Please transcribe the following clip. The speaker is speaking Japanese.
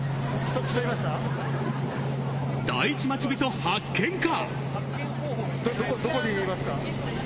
第一町人発見か！？